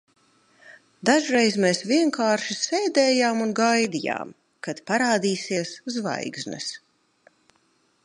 Dažreiz mēs vienkārši sēdējām un gaidījām, kad parādīsies zvaigznes.